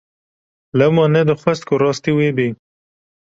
Lewma nedixwest ku rastî wê bê.